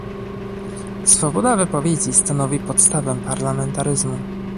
Swoboda wypowiedzi stanowi podstawę parlamentaryzmu